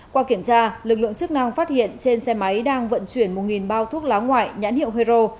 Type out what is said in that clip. qua kiểm tra lực lượng chức năng phát hiện trên xe máy đang vận chuyển một bao thuốc lá ngoại nhãn hiệu hero